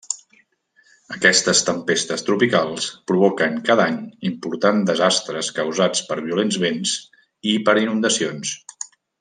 Aquestes tempestes tropicals provoquen cada any importants desastres causats per violents vents i per inundacions.